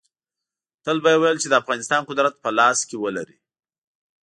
تل به یې ویل چې د افغانستان قدرت په لاس کې ولري.